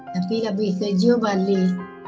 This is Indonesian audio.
tapi abis kerja balik